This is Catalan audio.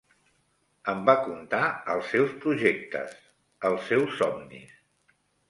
Em va contar els seus projectes, els seus somnis